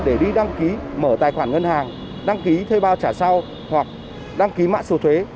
để đi đăng ký mở tài khoản ngân hàng đăng ký thuê bao trả sau hoặc đăng ký mã số thuế